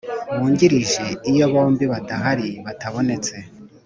wungirije Iyo bombi badahari batabonetse